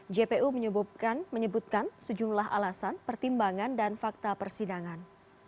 jpu menyebutkan sejumlah alasan pertimbangan dan fakta persidangan